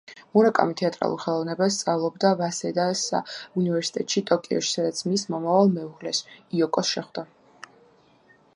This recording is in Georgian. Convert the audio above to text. მურაკამი თეატრალურ ხელოვნებას სწავლობდა ვასედას უნივერსიტეტში ტოკიოში, სადაც მის მომავალ მეუღლეს, იოკოს, შეხვდა.